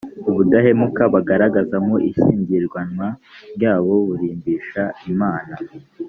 ubudahemuka bagaragaza mu ishyingiranwa ryabo burimbisha imana